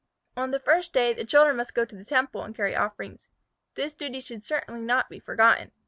On the first day the children must go to the temple and carry offerings. This duty should certainly not be forgotten.